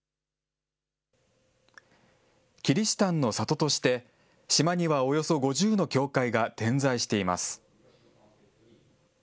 キリシタンの里として、島にはおよそ５０の教会が点在しています。